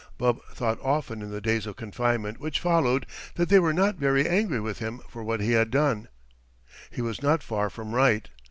Bub thought often in the days of confinement which followed that they were not very angry with him for what he had done. He was not far from right.